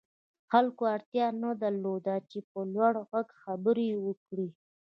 خلکو اړتيا نه درلوده چې په لوړ غږ خبرې وکړي.